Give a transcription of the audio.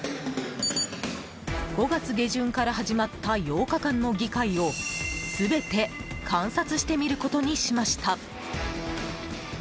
５月下旬から始まった８日間の議会を全て観察してみることにしました。